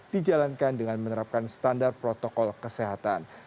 dijalankan dengan menerapkan standar protokol kesehatan